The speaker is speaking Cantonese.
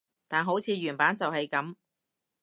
但好似原版就係噉